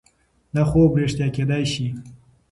دا خوب رښتیا کیدای شي.